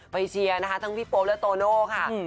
เชียร์นะคะทั้งพี่โป๊ปและโตโน่ค่ะ